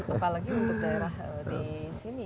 apalagi untuk daerah disini